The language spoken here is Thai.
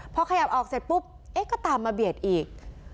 พอขยับออกเสร็จปุ๊บเอ๊ะก็ตามมาเบียดอีก